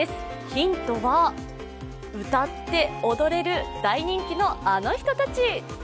ヒントは、歌って踊れる大人気のあの人たち。